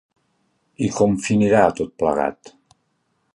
I com finirà tot plegat?